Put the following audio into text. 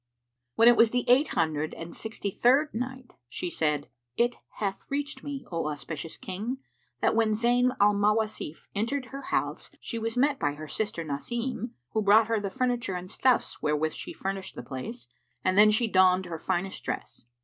When it was the Eight Hundred and Sixty third Night, She said, It hath reached me, O auspicious King, that when Zayn al Mawasif entered her house she was met by her sister Nasim who brought her the furniture and stuffs wherewith she furnished the place; and then she donned her finest dress.